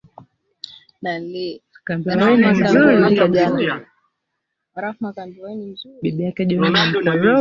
Bibi yake John ni mkorofi